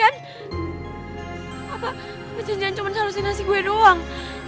apa pesannya cuma salusinasi gue doang